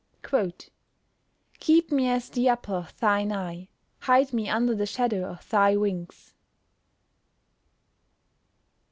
[Verse: "Keep me as the apple of thine eye; hide me under the shadow of thy wings."